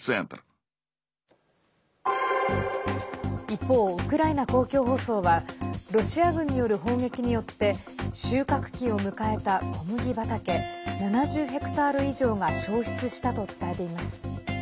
一方、ウクライナ公共放送はロシア軍による砲撃によって収穫期を迎えた小麦畑７０ヘクタール以上が焼失したと伝えています。